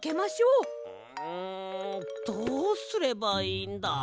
うんどうすればいいんだ？